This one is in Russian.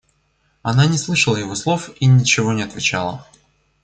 Она не слышала его слов и ничего не отвечала.